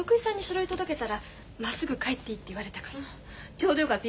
ちょうどよかった